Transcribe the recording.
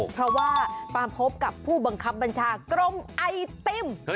เพราะว่ามาพบกับผู้บังคับบัญชากรมไอติม